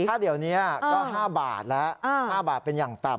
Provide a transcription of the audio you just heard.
ถ้าเดี๋ยวนี้ก็๕บาทแล้ว๕บาทเป็นอย่างต่ำ